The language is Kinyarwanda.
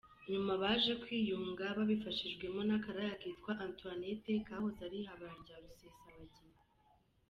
Nyuma baje kwiyunga babifashijwemo n’akaraya kitwa Antoinette kahoze ari ihabara rya Rusesabagina .